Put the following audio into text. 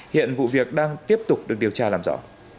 hiện vụ việc đang tiếp tục được điều tra làm rõ